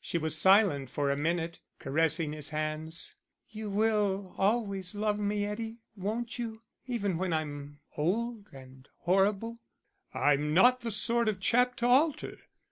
She was silent for a minute, caressing his hands. "You will always love me, Eddie, won't you even when I'm old and horrible?" "I'm not the sort of chap to alter."